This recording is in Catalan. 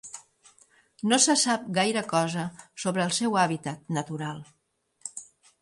No se sap gaire cosa sobre el seu hàbitat natural.